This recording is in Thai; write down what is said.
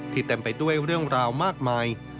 เต็มไปด้วยเรื่องราวมากมาย